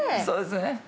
そうですね。